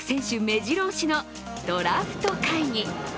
めじろ押しのドラフト会議。